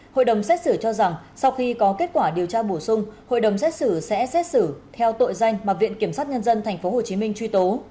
hội đồng xét xử cho rằng sau khi có kết quả điều tra bổ sung hội đồng xét xử sẽ xét xử theo tội danh mà viện kiểm sát nhân dân tp hcm truy tố